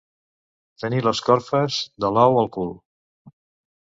Tenir les corfes de l'ou al cul.